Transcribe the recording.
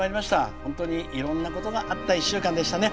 本当にいろんなことがあった１週間でしたね。